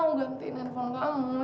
aku mau gantiin handphone kamu